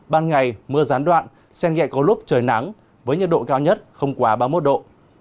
ban ngày mưa gián đoạn sen gẹ có lúc trời nắng với nhiệt độ cao nhất không quá ba mươi một độ